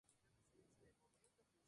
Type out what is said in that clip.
Viajó a París, donde alcanzó renombre.